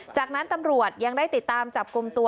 จากนั้นตำรวจยังได้ติดตามจับกลุ่มตัว